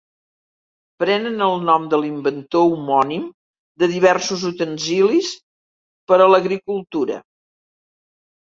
Prenen el nom de l'inventor homònim de diversos utensilis per a l'agricultura.